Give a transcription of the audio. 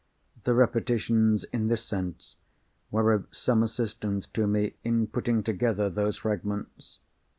The repetitions, in this sense, were of some assistance to me in putting together those fragments.